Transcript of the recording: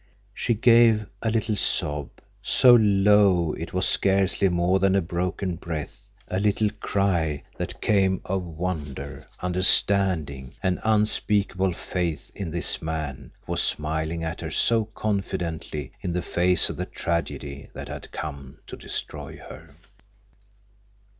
She gave a little sob, so low it was scarcely more than a broken breath; a little cry that came of wonder—understanding—and unspeakable faith in this man who was smiling at her so confidently in the face of the tragedy that had come to destroy her.